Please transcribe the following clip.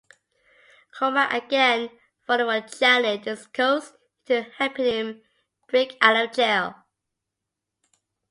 Cormack, again falling for Janet, is coaxed into helping him break out of jail.